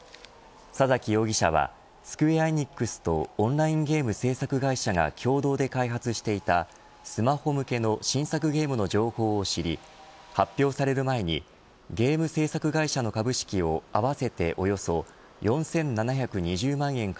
佐崎容疑者はスクウェア・エニックスとオンラインゲーム制作会社が共同で開発していたスマホ向けの新作ゲームの情報を知り発表される前にゲーム制作会社の株式をフーダブル！